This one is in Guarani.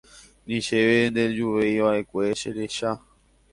Ni chéve nderejuveiva'ekue cherecha.